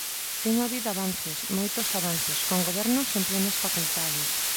Ten habido avances, moitos avances, con gobernos en plenas facultades.